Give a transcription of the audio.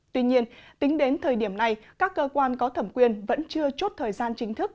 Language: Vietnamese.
tuy nhiên tính đến thời điểm này các cơ quan có thẩm quyền vẫn chưa chốt thời gian chính thức